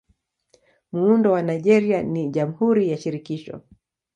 Muundo wa Nigeria ni Jamhuri ya Shirikisho.